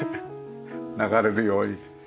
流れるように。